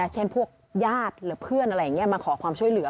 เช่นพวกญาติหรือเพื่อนอะไรอย่างนี้มาขอความช่วยเหลือ